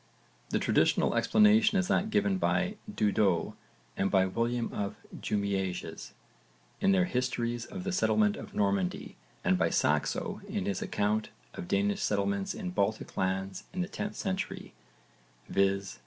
The traditional explanation is that given by Dudo and by William of Jumièges in their histories of the settlement of Normandy and by Saxo in his account of Danish settlements in Baltic lands in the 10th century, viz.